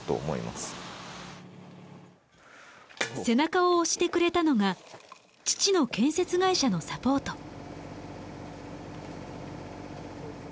背中を押してくれたのが父の建設会社のサポート。